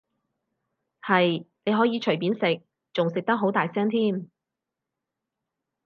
係，你可以隨便食，仲食得好大聲添